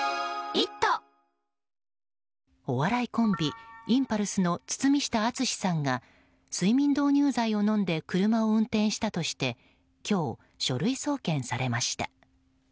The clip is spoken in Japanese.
お笑いコンビ、インパルスの堤下敦さんが睡眠導入剤を飲んで車を運転したとして今日、書類送検されました。